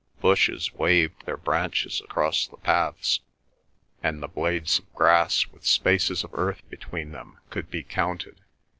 Bushes waved their branches across the paths, and the blades of grass, with spaces of earth between them, could be counted.